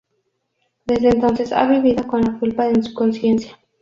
Desde entonces ha vivido con la culpa en su conciencia.